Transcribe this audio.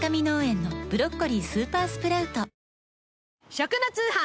食の通販。